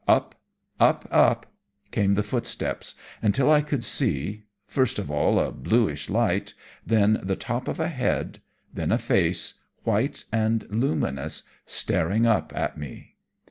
Up, up, up came the footsteps, until I could see first of all a bluish light, then the top of a head, then a face, white and luminous, staring up at me.